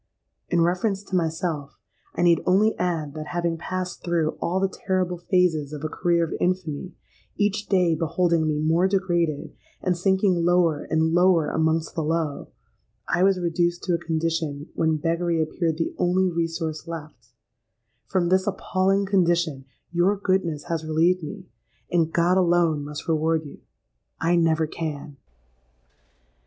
In reference to myself, I need only add that having passed through all the terrible phases of a career of infamy,—each day beholding me more degraded, and sinking lower and lower amongst the low,—I was reduced to a condition when beggary appeared the only resource left From this appalling condition your goodness has relieved me; and God alone must reward you—I never can!"